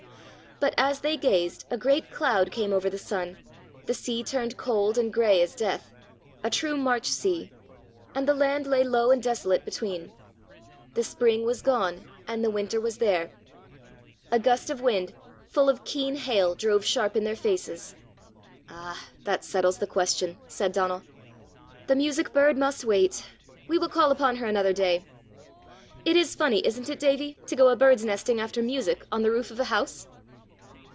But as they gazed, a great cloud came over the sun, the sea turned cold and gray as death a true March sea, and the land lay low and desolate between. The spring was gone and the winter was there. A gust of wind, full of keen hail, drove sharp in their faces. "Ah, that settles the question!" said Donal. "The music bird must wait. We will call upon her another day. It is funny, isn't it, Davie, to go a bird's nesting after music on the roof of a house?"